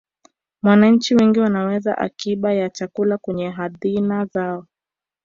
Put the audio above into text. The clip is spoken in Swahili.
wananchi wengi wanaweka akiba ya chakula kwenye hadhina zao